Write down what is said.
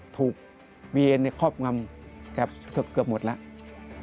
ถูกเบียนในครอบคลับเกือบหมดแล้ว